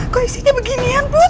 kok isinya beginian put